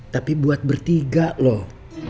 tapi buat bertiga loh